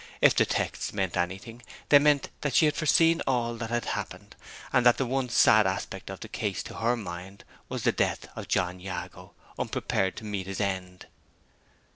If the texts meant anything, they meant that she had foreseen all that had happened; and that the one sad aspect of the case, to her mind, was the death of John Jago, unprepared to meet his end.